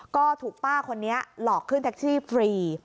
ก็ถูกป้าคนนี้หลอกขึ้นแท็กซี่ฟรี